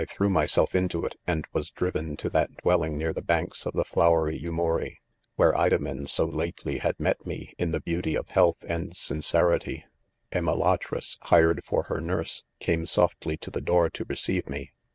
T threw my self into it, and was driven to that dwelling sear the banks of the flowery Yum uri, where Idomen so lately had met me, in the beauty of health and sincerity. " A c mulatress 5 hired for her nurse, came softJy to the do:or to receive me.